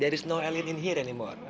ada pada ini tidak ada lagi para para hewan